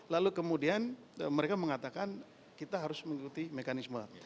lalu kemudian mereka mengatakan kita harus mengikuti mekanisme